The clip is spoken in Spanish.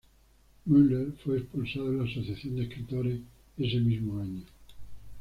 Müller fue expulsado de la Asociación de Escritores ese mismo año.